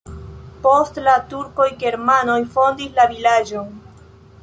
Post la turkoj germanoj fondis la vilaĝon.